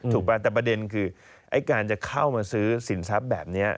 ปะแต่ประเด็นคือไอ้การจะเข้ามาซื้อสินทรัพย์แบบนี้